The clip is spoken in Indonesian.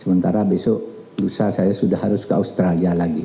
sementara besok lusa saya sudah harus ke australia lagi